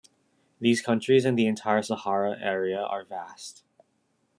These countries and the entire Sahara area are vast.